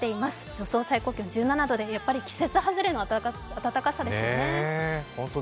予想最高気温１７度でやっぱり季節外れの暖かさですね。